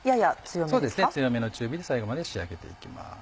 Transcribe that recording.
強めの中火で最後まで仕上げて行きます。